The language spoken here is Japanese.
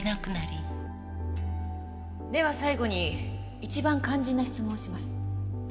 では最後に一番肝心な質問をします。